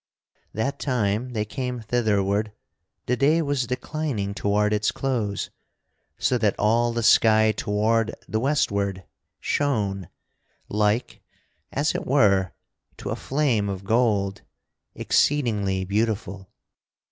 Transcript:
That time they came thitherward the day was declining toward its close, so that all the sky toward the westward shone, like, as it were, to a flame of gold exceedingly beautiful.